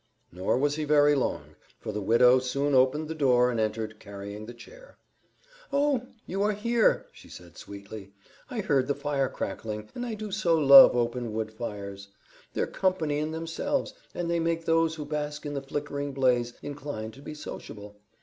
Nor was he very long, for the widow soon opened the door and entered, carrying the chair. "Oh, you are here," she said sweetly. "I heard the fire crackling, and I do so love open wood fires. They're company in themselves, and they make those who bask in the flickering blaze inclined to be sociable.